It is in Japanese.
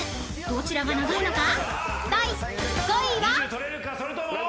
［どちらが長いのか？］